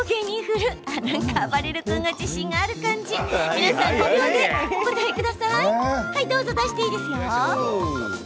皆さん、５秒でお答えください。